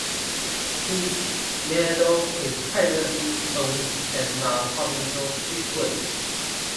His medal is privately owned and not publicly displayed.